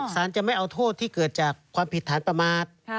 สารจะไม่เอาโทษที่เกิดจากความผิดฐานประมาท